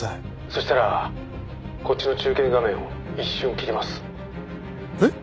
「そしたらこっちの中継画面を一瞬切ります」えっ？